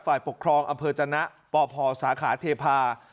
ฝ่ายปกครองอำเภอจนะปพสาขาเทพา